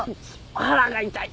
腹が痛い。